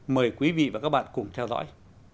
mời quý vị và các bạn cùng theo dõi